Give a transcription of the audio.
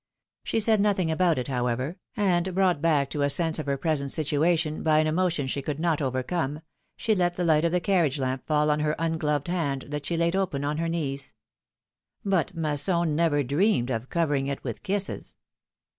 She said nothing about it, however, and brought back to a sense of her present situation by an emo tion she could not overcome, she let the light of the carriage lamps fall on her ungloved hand, that she laid open on her knees. But Masson never dreamed of covering it with kisses.